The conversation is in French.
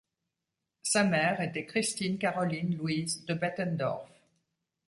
Sa mère était Christine-Caroline-Louise de Bettendorf.